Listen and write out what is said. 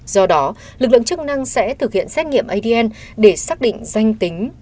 do đó lực lượng chức năng sẽ thực hiện xét nghiệm adn để xác định danh tính